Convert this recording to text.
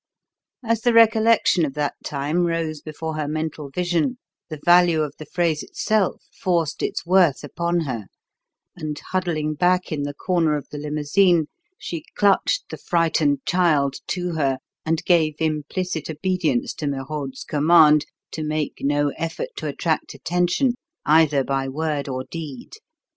As the recollection of that time rose before her mental vision, the value of the phrase itself forced its worth upon her and, huddling back in the corner of the limousine, she clutched the frightened child to her and gave implicit obedience to Merode's command to make no effort to attract attention either by word or deed.